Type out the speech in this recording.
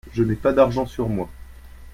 Je n'ai pas d'argent sur moi.